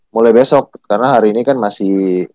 mulai besok karena hari ini kan masih